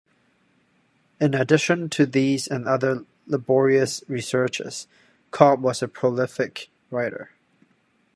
In addition to these and other laborious researches, Kopp was a prolific writer.